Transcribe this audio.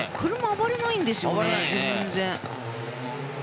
車、暴れないんですよね全然。